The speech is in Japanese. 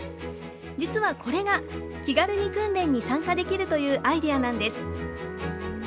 実はこれが、気軽に訓練に参加できるというアイデアなんです。